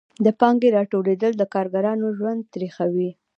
د پانګې راټولېدل د کارګرانو ژوند تریخوي